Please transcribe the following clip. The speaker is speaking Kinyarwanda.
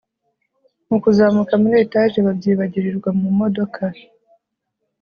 mukuzamuka muri etage babyibagirirwa mu modoka